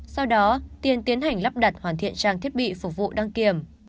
sau đó tiên tiến hành lắp đặt hoàn thiện trang thiết bị phục vụ đăng kiểm